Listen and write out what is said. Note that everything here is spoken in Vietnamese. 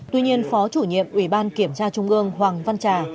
tuy nhiên phó chủ nhiệm ủy ban kiểm tra trung ương hoàng văn trà